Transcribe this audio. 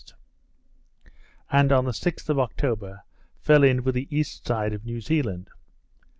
and, on the 6th of October, fell in with the east side of New Zealand.